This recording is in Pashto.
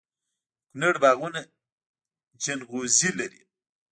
د کونړ باغونه ځنغوزي لري.